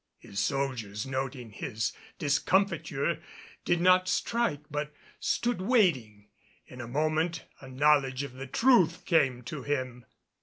His soldiers, noting his discomfiture, did not strike, but stood waiting. In a moment a knowledge of the truth came to him.